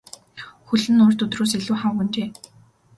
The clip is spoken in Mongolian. Хөл нь урд өдрөөс илүү хавагнажээ.